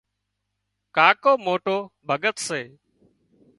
ڪاڪو موٽو ڀڳت سي